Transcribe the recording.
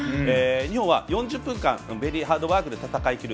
日本は４０分間ベリーハードワークで戦いきる。